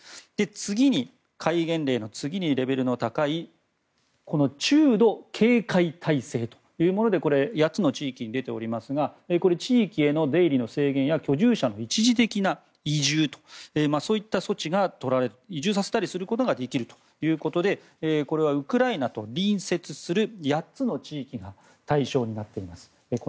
次に戒厳令の次にレベルの高い中度警戒体制というもので８つの地域に出ていますが地域への出入りの制限や居住者の一時的な移住と移住させたりすることができるということでこれはウクライナと隣接する８つの地域が対象になっています。